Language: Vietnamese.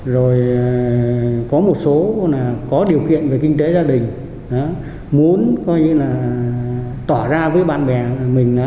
rồi có một số có điều kiện về kinh tế gia đình muốn tỏ ra với bạn bè mình